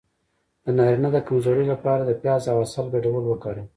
د نارینه د کمزوری لپاره د پیاز او عسل ګډول وکاروئ